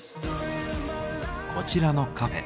こちらのカフェ。